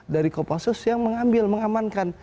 dari kopassus yang mengambil mengamankan